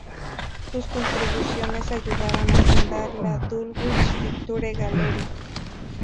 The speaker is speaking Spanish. Sus contribuciones ayudaron a fundar la Dulwich Picture Gallery.